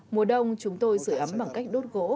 mùa đông chúng tôi sửa ấm bằng cách đốt gỗ